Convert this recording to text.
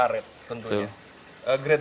ini untuk karet